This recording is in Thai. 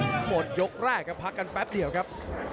บวอยกับพ่อประชาวนี้ค่ะกันพักกันแป๊บเดี๋ยวครับ